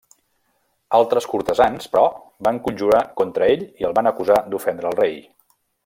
Altres cortesans, però, van conjurar contra ell i el van acusar d'ofendre al rei.